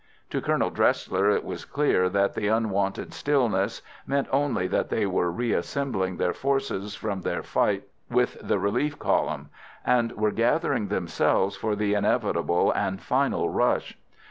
To Colonel Dresler it was clear that the unwonted stillness meant only that they were reassembling their forces from their fight with the relief column, and were gathering themselves for the inevitable and final rush.